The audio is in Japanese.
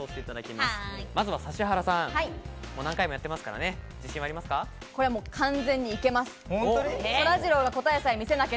まずは指原さん、何回もやってますが自信はありますか？